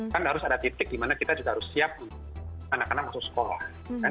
kan harus ada titik dimana kita juga harus siap anak anak masuk sekolah